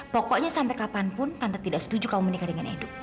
pokoknya sampai kapanpun tante tidak setuju kau menikah dengan edu